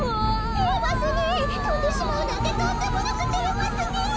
てれますねえとんでしまうなんてとんでもなくてれますねえ。